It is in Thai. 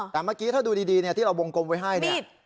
แต่เมื่อกี้ถ้าดูดิดีที่โวงกลมไว้ไห้